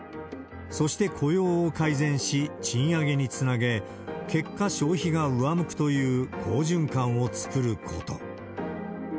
そして雇用を改善し、賃上げにつなげ、結果、消費が上向くという好循環を作ること。